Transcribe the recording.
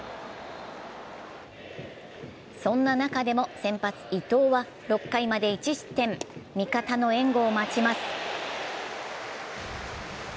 そんな中でも先発・伊藤は６回まで１失点、味方の援護を待ちます。